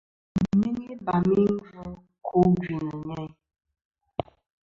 Yi nyɨŋ ibam i gvɨ ku gvì nɨ̀ nyeyn.